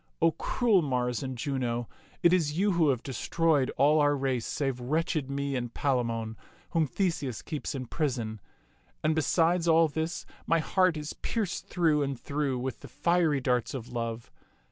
O cruel Mars and Juno, it is you who have destroyed all our race save wretched me and Palamon, whom Theseus keeps in prison. And besides all this, my heart is pierced through and through with the fiery darts of love.